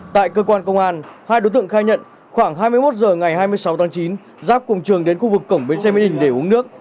tại cơ quan công an hai đối tượng khai nhận khoảng hai mươi một h ngày hai mươi sáu tháng chín giáp cùng trường đến khu vực cổng bến xe mỹ đình để uống nước